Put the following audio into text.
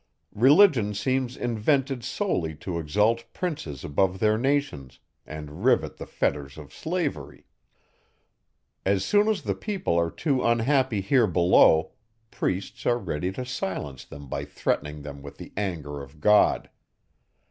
Religion seems invented solely to exalt princes above their nations, and rivet the fetters of slavery. As soon as the people are too unhappy here below, priests are ready to silence them by threatening them with the anger of God.